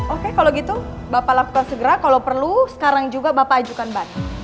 oke kalau gitu bapak lakukan segera kalau perlu sekarang juga bapak ajukan batik